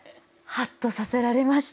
はっとさせられました。